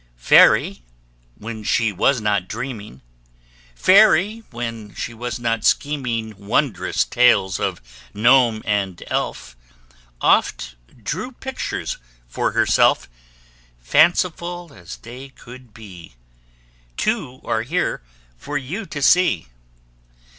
Fairy, when she was not dreaming, Fairy, when she was not scheming Wondrous tales of gnome and elf, Oft drew pictures for herself, Fanciful as they could be: Two are here for you to see.